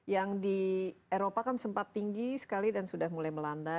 yang di eropa kan sempat tinggi sekali dan sudah mulai melanda